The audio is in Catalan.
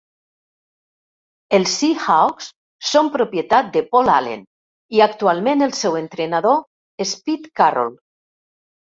Els Seahawks són propietat de Paul Allen, i actualment el seu entrenador és Pete Carroll.